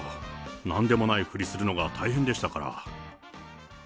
なんでもないふりするのが大変でしたから。